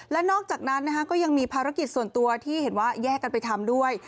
และนอกจากนั้นก็ยังมีภารกิจส่วนตัวที่เห็นว่าแยกกันไปทำด้วย